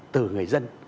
từ người dân